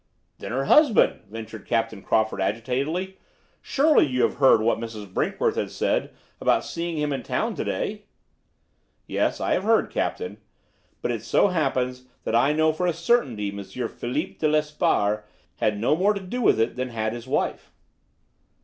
"Then her husband?" ventured Captain Crawford agitatedly. "Surely you have heard what Mrs. Brinkworth has said about seeing him in town to day?" "Yes, I have heard, Captain. But it so happens that I know for a certainty M. Philippe de Lesparre had no more to do with it than had his wife."